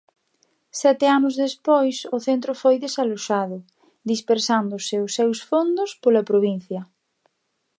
Sete anos despois o centro foi desaloxado, dispersándose os seus fondos pola provincia.